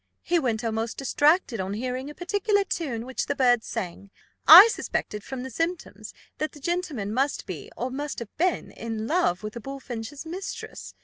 He went almost distracted on hearing a particular tune, which this bird sang. I suspected, from the symptoms, that the gentleman must be, or must have been, in love with the bullfinch's mistress.